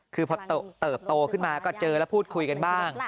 คือพอเติบโตขึ้นมาก็เจอแล้วพูดคุยกันบ้าง